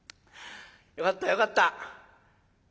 よかったよかった。